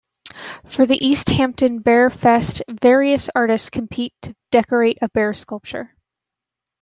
For the Easthampton Bear Fest various artists compete to decorate a bear sculpture.